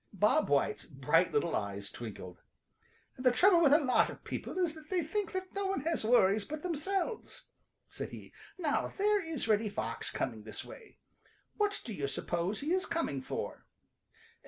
Bob White's bright little eyes twinkled. "The trouble with a lot of people is that they think that no one has worries but themselves," said he. "Now there is Reddy Fox coming this way. What do you suppose he is coming for?"